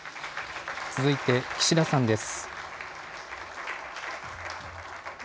続いて岸田さんです。